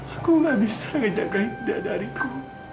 aku nggak bisa menjaga keadaan dariku